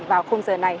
vào khung giờ này